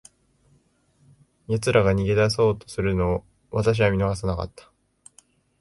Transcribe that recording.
奴らが逃げ出そうとするのを、私は見逃さなかった。